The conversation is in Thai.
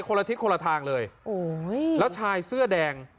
ละทิศคนละทางเลยโอ้ยแล้วชายเสื้อแดง